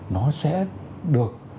nó sẽ được